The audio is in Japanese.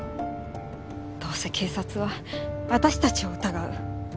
どうせ警察は私たちを疑う。